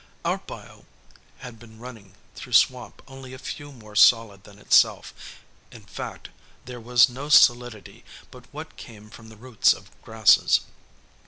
Our bayou had been running through swamp only a little more solid than itself; in fact, there was no solidity but what came from the roots of grasses.